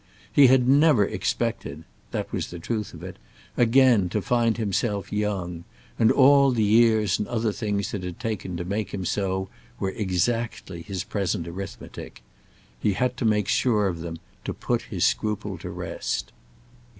He had never expected—that was the truth of it—again to find himself young, and all the years and other things it had taken to make him so were exactly his present arithmetic. He had to make sure of them to put his scruple to rest.